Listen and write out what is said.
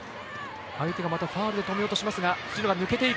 相手がまたファウルで止めようとしますが、藤野が抜けていく。